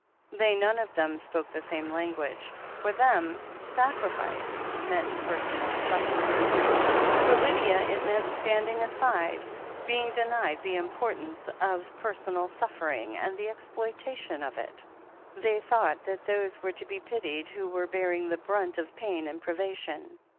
They none of them spoke the same language. For them "sacrifice" meant personal suffering. For Lydia it meant standing aside, being denied the THE HEEL OF ACHILLES 451 importance of personal suffering and the exploitation of it. They thought that those were to be pitied who were bearing the brunt of pain and privation.